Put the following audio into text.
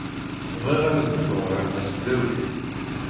Bɣiɣ ad dduɣ ɣer tesdawit.